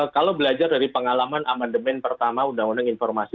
kalau belajar dari pengalaman amandemen pertama undang undang informasi